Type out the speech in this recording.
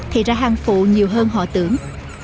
thì ra hang phụ nhiều hơn họ tưởng